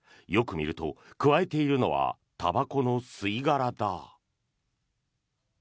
よく見ると、くわえているのはたばこの吸い殻だ。